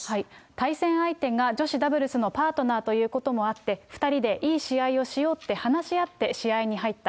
対戦相手が女子ダブルスのパートナーということもあって、２人でいい試合をしようって話し合って試合に入った。